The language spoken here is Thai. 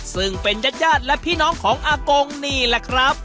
ซึ่งเป็นญาติและพี่น้องของอากงนี่แหละครับ